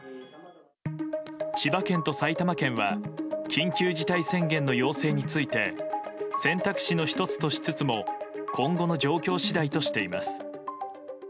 千葉県と埼玉県は緊急事態宣言の要請について選択肢の１つとしつつも今後の状況次第としています。